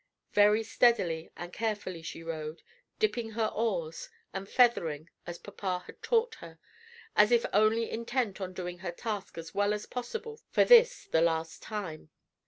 Very steadily and carefully she rowed, dipping her oars, and "feathering," as papa had taught her, as if only intent on doing her task as well as possible for this the last time.